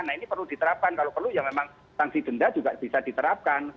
nah ini perlu diterapkan kalau perlu ya memang sanksi denda juga bisa diterapkan